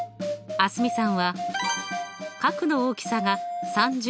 蒼澄さん